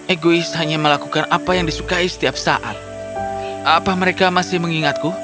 egois hanya melakukan apa yang disukai setiap saat apa mereka masih mengingatku